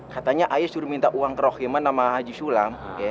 katanya ayah suruh minta uang kerohiman nama haji sulam